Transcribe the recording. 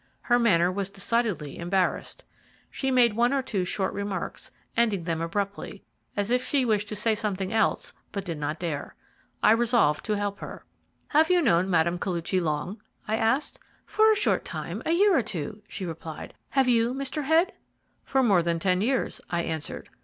Her manner was decidedly embarrassed. She made one or two short remarks, ending them abruptly, as if she wished to say something else but did not dare. I resolved to help her. "Have you known Mme. Koluchy long?" I asked. "For a short time, a year or two," she replied. "Have you, Mr. Head?" "For more than ten years," I answered.